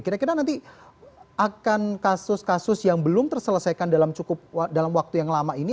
kira kira nanti akan kasus kasus yang belum terselesaikan dalam cukup dalam waktu yang lama ini